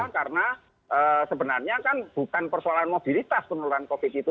karena sebenarnya kan bukan persoalan mobilitas penularan covid itu